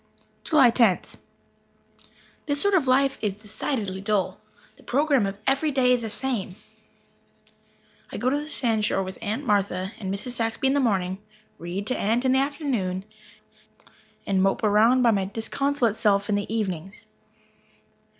July Tenth. This sort of life is decidedly dull. The program of every day is the same. I go to the sandshore with Aunt Martha and Mrs. Saxby in the morning, read to Aunt in the afternoons, and mope around by my disconsolate self in the evenings.